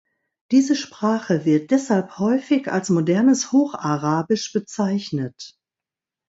Diese Sprache wird deshalb häufig als modernes Hocharabisch bezeichnet.